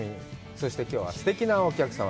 そして、きょうはすてきなお客様。